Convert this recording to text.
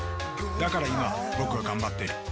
「だから今僕は頑張っている」